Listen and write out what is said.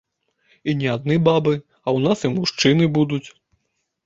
І не адны бабы, а ў нас і мужчыны будуць.